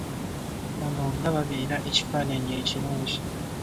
Wano nga babeera ekifaananyi ekirungi